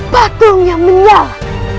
patung yang menyala